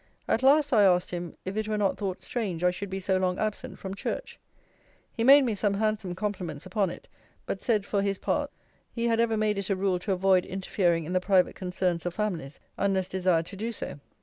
At last, I asked him, if it were not thought strange I should be so long absent from church? He made me some handsome compliments upon it: but said, for his part, he had ever made it a rule to avoid interfering in the private concerns of families, unless desired to do so.